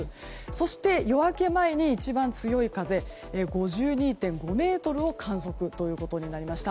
そして、夜明け前に一番強い風５２．５メートルを観測となりました。